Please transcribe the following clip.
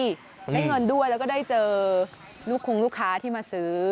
ได้เงินด้วยแล้วก็ได้เจอลูกคงลูกค้าที่มาซื้อ